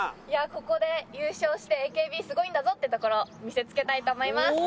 ここで優勝してＡＫＢすごいんだぞってところ見せつけたいと思います。